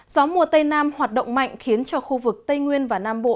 gió mùa tây nam hoạt động mạnh khiến cho khu vực tây nguyên và nam bộ